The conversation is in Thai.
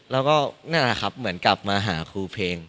แล้วก็เหมือนกลับมาหาครูเพลง